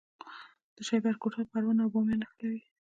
د شیبر کوتل پروان او بامیان نښلوي